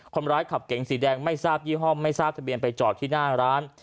คนร้ายขับเก๋งสีแดงไม่ทราบยี่ห้อมไม่ทราบทะเบียนไปจอดที่หน้าร้าน